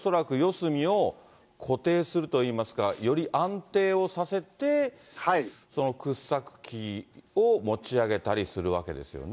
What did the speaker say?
すみを固定するといいますか、より安定をさせて、その掘削機を持ち上げたりするわけですよね。